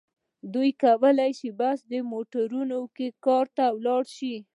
دوی کولای شي په بس موټرونو کې کار ته لاړ شي.